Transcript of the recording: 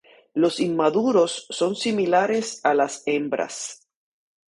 Los inmaduros son similares a las hembras.